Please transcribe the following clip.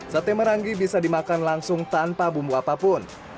sate marangi bisa dimakan langsung tanpa bumbu apapun